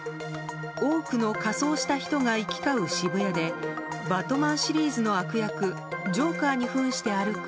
多くの仮装した人が行き交う渋谷で「バットマン」シリーズの悪役ジョーカーに扮して歩く